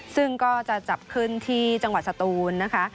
ซึ่งก็จะจับขึ้นที่จังหวัดสตูนนะคะ